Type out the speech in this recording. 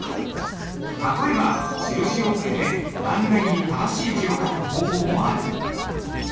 例えば印をつけて欄外に正しい字を書く方法もある。